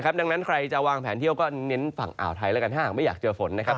ดังนั้นใครจะวางแผนเที่ยวก็เน้นฝั่งอ่าวไทยแล้วกันถ้าหากไม่อยากเจอฝนนะครับ